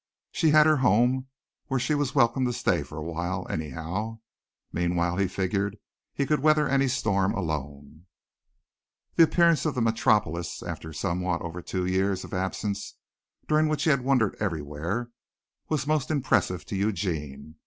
She had her home where she was welcome to stay for a while anyhow. Meanwhile he figured he could weather any storm alone. The appearance of the metropolis, after somewhat over two years of absence during which he had wandered everywhere, was most impressive to Eugene.